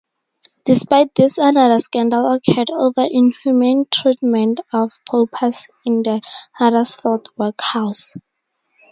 Despite this another scandal occurred over inhumane treatment of paupers in the Huddersfield workhouse.